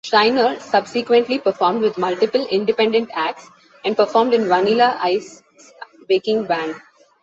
Shriner subsequently performed with multiple independent acts, and performed in Vanilla Ice's backing band.